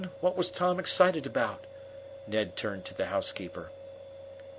What was Tom excited about?" Ned turned to the housekeeper.